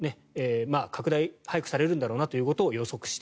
拡大が早くされるんだろうということを予測して。